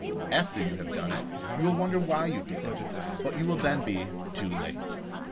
After you have done it, you will wonder why you did it; but you will then be too late.